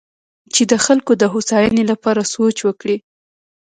چې د خلکو د هوساینې لپاره سوچ وکړي.